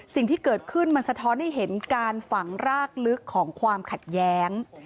สิ่งที่เกิดขึ้นมันสะท้อนให้เห็นการฝังรากลึกของความขัดแย้ง